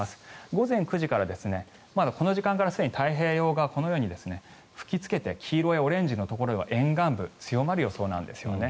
午前９時からこの時間からすでに太平洋側このように吹きつけて黄色やオレンジのところが沿岸部強まる予想なんですよね。